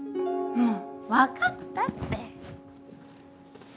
もうわかったって。